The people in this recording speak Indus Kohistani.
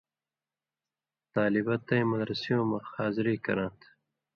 طالیۡبہ تَیں مدرسیُوں مہ حاضری کراں تھہ۔